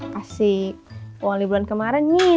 kasih wang liburan kemareng nyisa niih